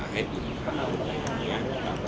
ให้อุ่นขาวอะไรอย่างนี้